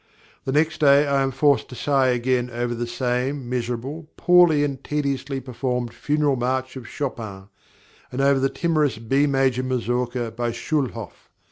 The next day I am forced to sigh again over the same, miserable, poorly and tediously performed Funeral March of Chopin, and over the timorous B major Mazourka by Schulhoff.